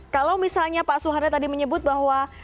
kalau misalnya pak suharya tadi menyebut bahwa